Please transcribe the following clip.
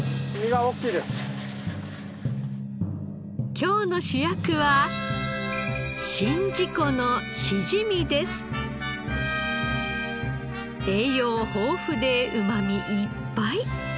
今日の主役は栄養豊富でうまみいっぱい。